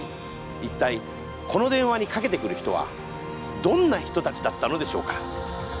一体この電話にかけてくる人はどんな人たちだったのでしょうか？